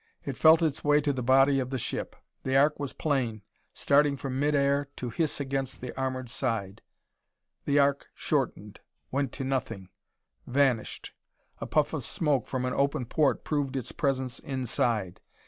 It felt its way to the body of the ship; the arc was plain, starting from mid air to hiss against the armored side; the arc shortened went to nothing vanished.... A puff of smoke from an open port proved its presence inside.